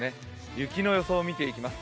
雪の予想を見ていきます。